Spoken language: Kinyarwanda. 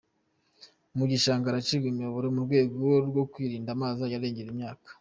Mu bishanga haracibwa imiyoboro mu rwego rwo kwirinda ko amazi azajya arengera imyaka.